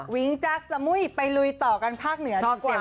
วิงจักรสมุยไปลุยต่อกันภาคเหนือดีกว่า